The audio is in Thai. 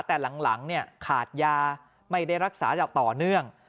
แต่หลังขาดยาไม่ได้รักษาต่อเนื่อง